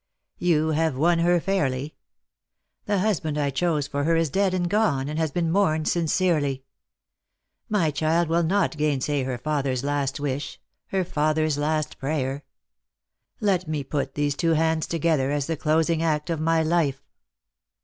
You have won her fairly. The husband I chose for her is dead and gone, and has been mourned sincerely. My child will not gainsay her father's last wish, her father's last prayer. Let me put these two hands together as the closing act of my life."